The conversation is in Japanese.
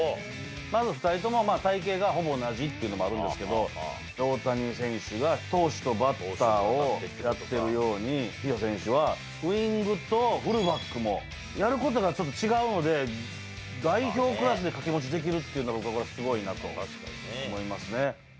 まず２人とも体形がほぼ同じっていうのもあるんですけど、大谷選手が投手とバッターをやってるように、ヒーファー選手はウィングとフルバックも、やることがちょっと違うので、代表クラスで掛け持ちできるのがすごいなと思いますね。